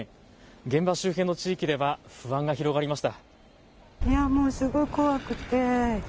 現場周辺の地域では不安が広がりました。